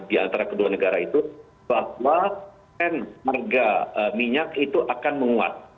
diantara kedua negara itu bahwa harga minyak itu akan menguat